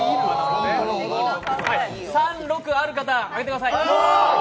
３、６ある方、挙げてください。